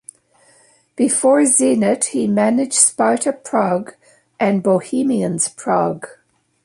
Before Zenit he managed Sparta Prague and Bohemians Prague.